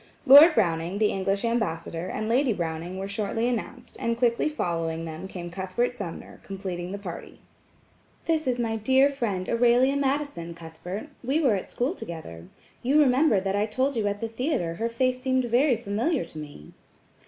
Lord Browning, the English Ambassador, and Lady Browning were shortly announced, and quickly following them came Cuthbert Sumner, completing the party. "This is my dear friend, Aurelia Madison, Cuthbert; we were at school together. You remember that I told you at the theatre her face seemed very familiar to me."